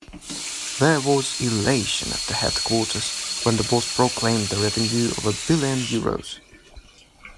There was elation at the headquarters when the boss proclaimed the revenue of a billion euros.